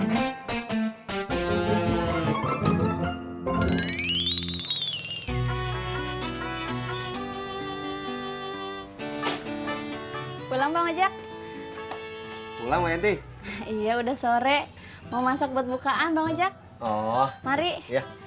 sampai jumpa di video selanjutnya